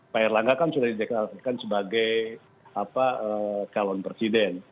pak erlangga kan sudah dideklarasikan sebagai calon presiden